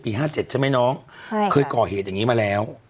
ปีห้าเจ็ดใช่ไหมน้องใช่ค่ะเคยก่อเหตุอย่างงี้มาแล้ว